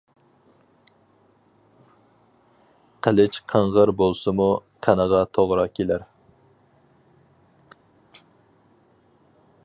قىلىچ قىڭغىر بولسىمۇ قېنىغا توغرا كېلەر.